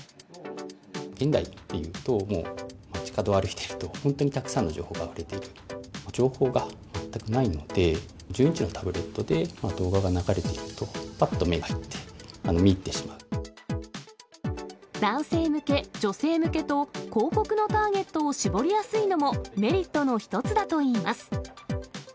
現代でいうと、街角を歩いてると、本当にたくさんの情報があふれている、情報が全くないので、１０インチのタブレットで動画が流れていると、男性向け、女性向けと、広告のターゲットを絞りやすいのもメリットの一つだといいます。